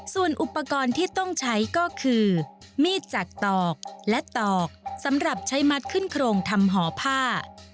ส่วนอุปกรณ์ที่ต้องใช้ก็คือมีดจากตอกและตอกสำหรับใช้มัดขึ้นโครงทำหอผ้า